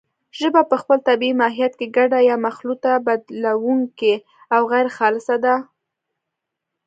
ژبه په خپل طبیعي ماهیت کې ګډه یا مخلوطه، بدلېدونکې او غیرخالصه ده